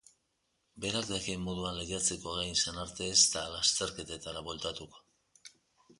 Berak dakien moduan lehiatzeko gai izan arte ez da lasterketetara bueltatuko.